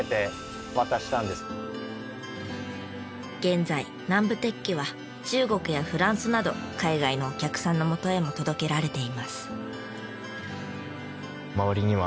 現在南部鉄器は中国やフランスなど海外のお客さんの元へも届けられています。